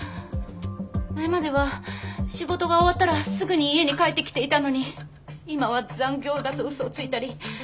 前までは仕事が終わったらすぐに家に帰ってきていたのに今は残業だとうそをついたり。